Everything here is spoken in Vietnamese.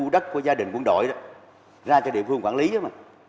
đất của gia đình quân đội đó ra cho địa phương quản lý đó mà